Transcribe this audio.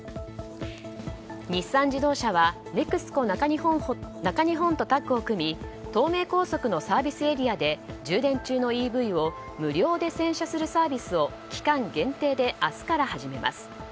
日産自動車はＮＥＸＣＯ中日本とタッグを組み東名高速のサービスエリアで充電中のＥＶを無料で洗車するサービスを期間限定で明日から始めます。